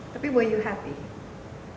tapi apakah kamu bahagia